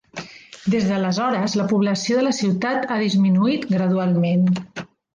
Des d'aleshores, la població de la ciutat ha disminuït gradualment.